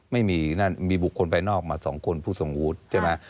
ไม่มีนั่นมีบุคคลภายนอกมา๒คนผู้ทรงวุฒิใช่ไหม